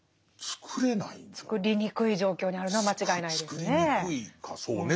つくりにくい状況にあるのは間違いないですね。